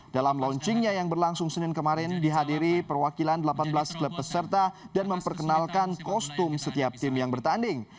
dalam launchingnya yang berlangsung senin kemarin dihadiri perwakilan delapan belas klub peserta dan memperkenalkan kostum setiap tim yang bertanding